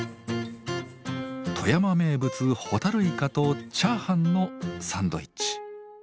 富山名物ホタルイカとチャーハンのサンドイッチ。